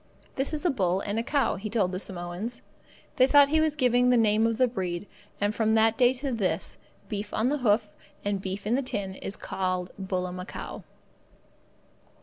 "This is a bull and cow," said he to the Samoans. They thought he was giving the name of the breed, and from that day to this, beef on the hoof and beef in the tin is called bullamacow.